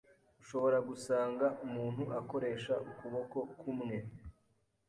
ushobora gusanga umuntu akoresha ukuboko kumwe